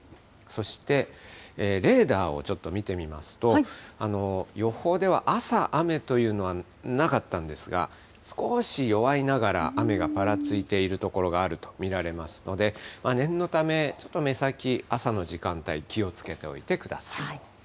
そして、レーダーをちょっと見てみますと、予報では朝、雨というのはなかったんですが、少し弱いながら雨がぱらついている所があると見られますので、念のため、ちょっと目先、朝の時間帯、気をつけておいてください。